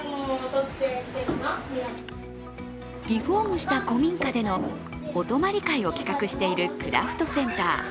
リフォームした古民家でのお泊まり会を企画しているクラフトセンター。